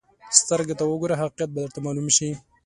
سترګو ته وګوره، حقیقت به درته معلوم شي.